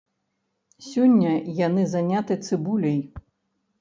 Сёння яны заняты цыбуляй.